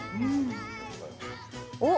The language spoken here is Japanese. おっ！